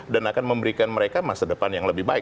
dan akan memberikan mereka masa depan yang lebih baik